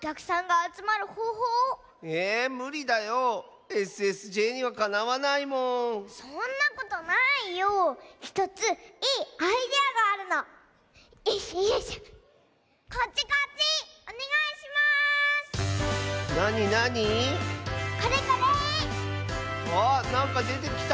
あなんかでてきた。